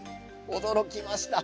驚きました。